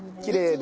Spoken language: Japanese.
で。